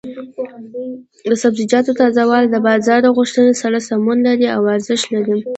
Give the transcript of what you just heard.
د سبزیجاتو تازه والي د بازار د غوښتنې سره سمون لري او ارزښت لري.